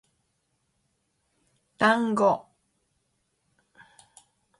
単語